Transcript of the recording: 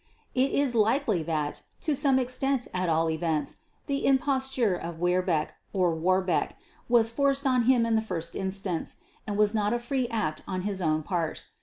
It is likely that, to some extent at all events, the imposture of Werbecque, or Warbeck, was forced on him in the first instance, and was not a free act on his own part.